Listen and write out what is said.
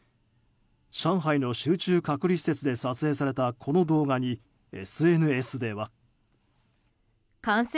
上海の集中隔離施設で撮影されたこの動画に、ＳＮＳでは。